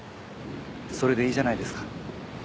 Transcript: それでいいじゃないですか。